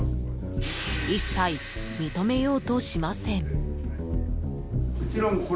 一切認めようとしません。